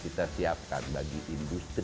kita siapkan bagi industri